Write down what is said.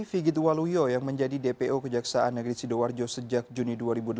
figit waluyo yang menjadi dpo kejaksaan negeri sidoarjo sejak juni dua ribu delapan belas